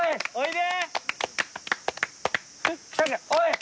おいで。